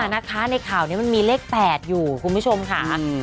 นะคะในข่าวนี้มันมีเลข๘อยู่คุณผู้ชมค่ะ